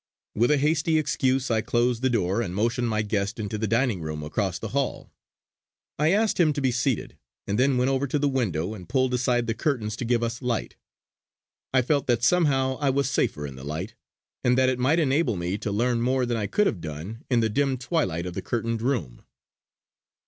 With a hasty excuse I closed the door and motioned my guest into the dining room across the hall. I asked him to be seated, and then went over to the window and pulled aside the curtains to give us light. I felt that somehow I was safer in the light, and that it might enable me to learn more than I could have done in the dim twilight of the curtained room.